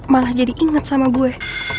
malah jadi inget sama gue